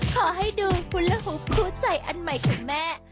ขอให้ดูฮุลฮุปคู้ใจอันใหม่ของแม่